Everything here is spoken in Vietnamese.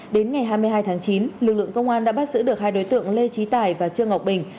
đến ngày hai mươi hai tháng chín lực lượng công an đã bắt giữ được hai đối tượng lê trí tài và trương ngọc bình